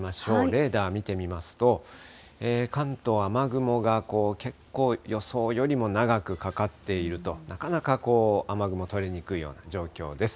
レーダー見てみますと、関東、雨雲が結構、予想よりも長くかかっていると、なかなか雨雲、取れにくいような状況です。